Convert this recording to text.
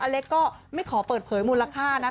เล็กก็ไม่ขอเปิดเผยมูลค่านะ